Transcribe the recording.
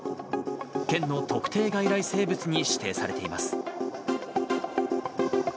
県の特定外来生物に指定されています。